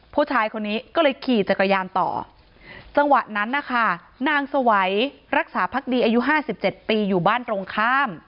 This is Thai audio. ผู้ชายคนนี้ก็เลยขี่จักรยานต่อจังหวะนั้นนะคะนางสวัยรักษาพักดีอายุ๕๗ปีอยู่บ้านตรงข้าม